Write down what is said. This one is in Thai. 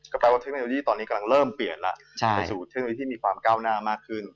กำลังเริ่มเปลี่ยนล่ะแต่สูตรวิธีมีความเก้าหน้ามากขึ้น